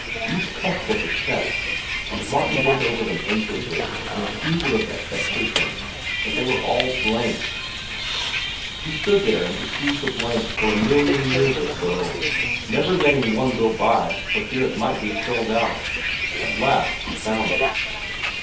Each cuff was a check, and Martin went over them anxiously, in a fever of expectation, but they were all blanks. He stood there and received the blanks for a million years or so, never letting one go by for fear it might be filled out. At last he found it.